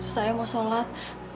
saya mau sholat